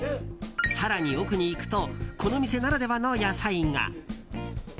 更に奥に行くとこの店ならではの野菜が。